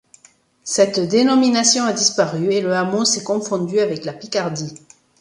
Cette dénomination a disparu et le hameau s'est confondu avec La Picardie.